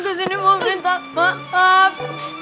disini mau minta maaf